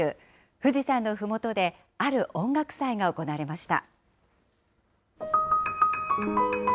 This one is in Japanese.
富士山のふもとで、ある音楽祭が行われました。